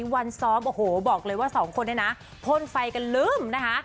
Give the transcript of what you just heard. วันซ้อมโอ้โหบอกเลยว่าสองคนเนี่ยนะพ่นไฟกันลื้มนะคะ